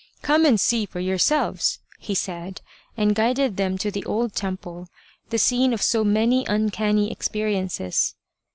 " Come and see for yourselves," he said, and guided them to the old temple, the scene of so many uncanny experiences.